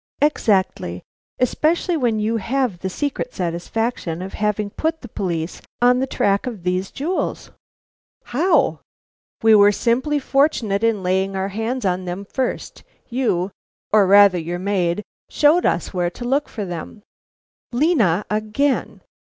"Exactly! Especially when you have the secret satisfaction of having put the police on the track of these jewels." "How?" "We were simply fortunate in laying our hands on them first. You, or your maid rather, showed us where to look for them." Lena again.